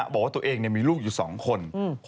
บอกว่าตัวเองมีลูกอยู่๒คน